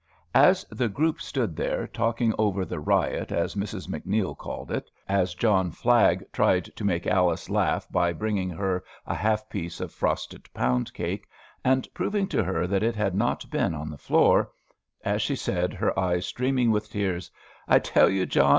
As the group stood there, talking over the riot as Mrs. MacNeil called it, as John Flagg tried to make Alice laugh by bringing her a half piece of frosted pound cake, and proving to her that it had not been on the floor, as she said, her eyes streaming with tears, "I tell you, John!